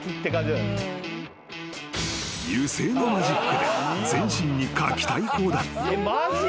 ［油性のマジックで全身に描きたい放題］